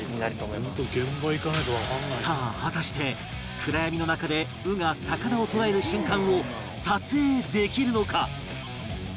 さあ果たして暗闇の中で鵜が魚を捕らえる瞬間を撮影できるのか？